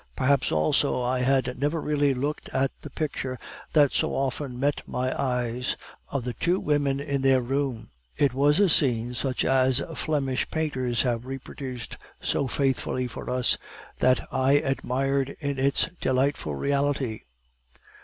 Perhaps also I had never before really looked at the picture that so often met my eyes, of the two women in their room; it was a scene such as Flemish painters have reproduced so faithfully for us, that I admired in its delightful reality.